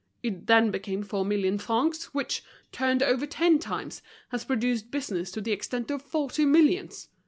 It then became four million francs, which, turned over ten times, has produced business to the extent of forty millions.